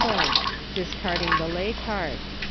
69 bone, discarding the lay card.